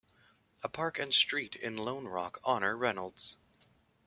A park and street in Lone Rock honor Reynolds.